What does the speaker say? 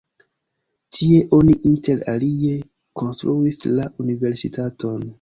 Tie oni inter alie konstruis la universitaton.